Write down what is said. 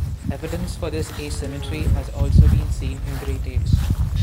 Evidence for this asymmetry has also been seen in great apes.